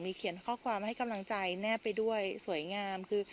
เขียนข้อความให้กำลังใจแนบไปด้วยสวยงามคือ